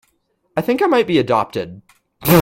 I think I might be adopted.